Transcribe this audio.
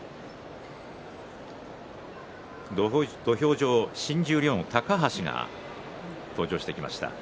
土俵上、新十両の高橋が登場してきました。